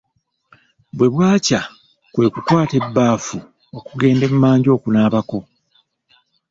Bwe bwakya kwe kukwata ebbaafu okugenda emmanju okunaabako.